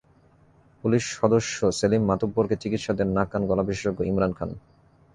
Police সদস্য সেলিম মাতুব্বরকে চিকিৎসা দেন নাক কান গলা বিশেষজ্ঞ ইমরান খান।